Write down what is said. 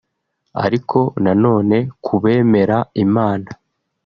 Ariko na none ku bemera Imana